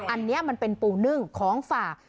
อันนี้มันเป็นปูนึ่งของฝาก